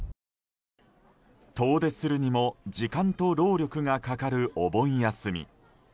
遠出するにも時間と労力がかかる、お盆休み。